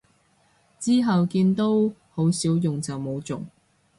之後見都好少用就冇續